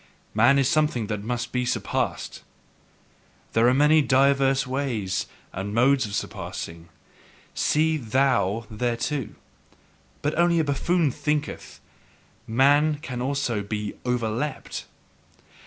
Man is something that must be surpassed. There are many divers ways and modes of surpassing: see THOU thereto! But only a buffoon thinketh: "man can also be OVERLEAPT."